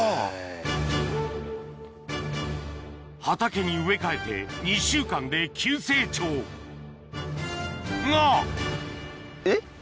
畑に植え替えて２週間で急成長がえっ？